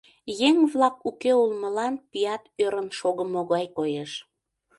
Еҥ-влак уке улмылан пият ӧрын шогымо гай коеш.